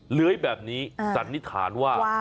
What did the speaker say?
เลื้อยแบบนี้สันนิษฐานว่า